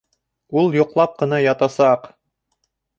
Ул йоҡлап ҡына ятасаҡ!